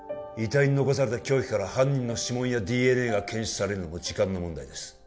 遺体に残された凶器から犯人の指紋やＤＮＡが検出されるのも時間の問題です